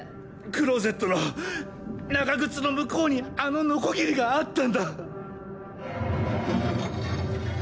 クローゼットの長靴の向こうにあのノコギリがあったんだ。